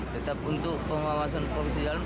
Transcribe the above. tetap untuk pengawasan profesi jalan